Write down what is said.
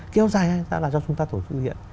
kéo dài là do chúng ta tổ chức thực hiện